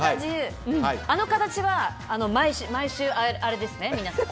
あの形は、毎週あれですね皆さん。